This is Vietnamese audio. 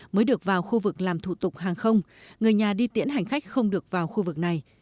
mới được vào khu vực làm thủ tục hàng không người nhà đi tiễn hành khách không được vào khu vực này